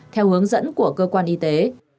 theo hướng dẫn của cơ quan y tế